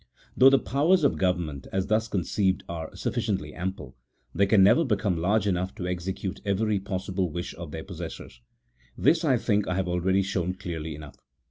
Though the powers of government, as thus conceived, are sufficiently ample, they can never become large enough to execute every possible wish of their possessors. This, I think, I have already shown clearly enough.